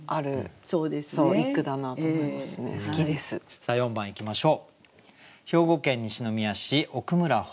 さあ４番いきましょう。